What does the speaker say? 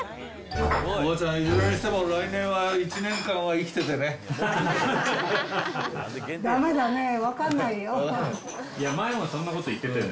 おばちゃん、いずれにしても、来年は１年間は生きててね。